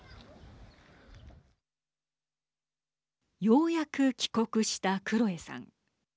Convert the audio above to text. ようやく帰国したクロエさん。